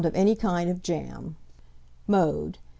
of any kind of jam. Mode.